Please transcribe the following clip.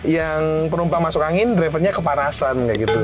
yang penumpang masuk angin driver nya kepanasan